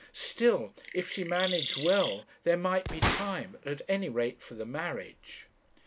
Still, if she managed well, there might be time at any rate for the marriage.